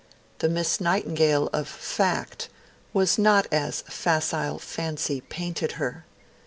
The Miss Nightingale of fact was not as facile as fancy painted her.